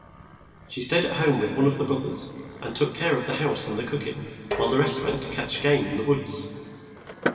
She staid at home with one of the broth ers and took care of the house and the cook ing, while the rest went to catch game in the woods.